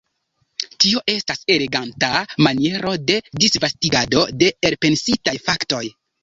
Tio estas eleganta maniero de disvastigado de elpensitaj faktoj.